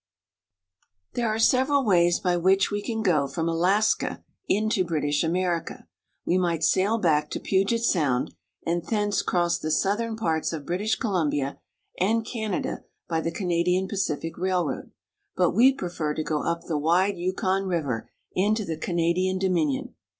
THERE are several ways by which we can go from Alaska into British America. We might sail back to Puget Sound, and thence cross the southern parts of British Columbia and Canada by the Canadian Pacific Railroad ; but we prefer to go up the wide Yukon River into the Canadian Dominion.